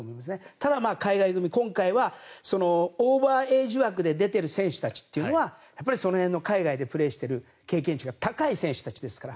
ただ、海外組今回はオーバーエイジ枠で出ている選手たちというのはその辺で海外でプレーしている経験値が高い選手たちですから。